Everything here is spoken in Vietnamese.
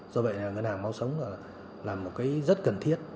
do vậy là ngân hàng máu sống là một cái rất cần thiết